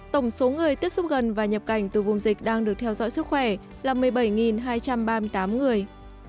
tổng số người tiếp xúc gần và nhập cảnh từ vùng dịch đang được theo dõi sức khỏe là một mươi bảy hai trăm ba mươi tám người